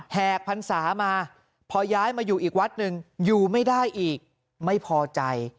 แหกพรรษามาพอย้ายมาอยู่อีกวัดหนึ่งอยู่ไม่ได้อีกไม่พอใจ